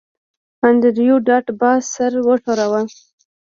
انډریو ډاټ باس سر وښوراوه